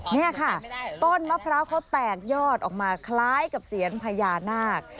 นี่ค่ะต้นมะพร้าวเขาแตกยอดออกมาคล้ายกับเซียนพญานาค